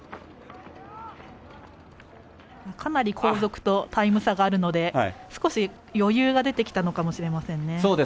かなり後続とタイム差があるので少し、余裕が出てきたのかもしれません。